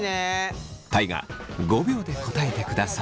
大我５秒で答えてください。